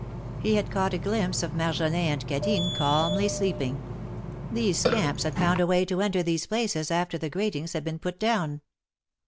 He had caught a glimpse of Mar jolin and Cadine calmly sleeping. These scamps had found a way to enter these places after the gratings had been put down.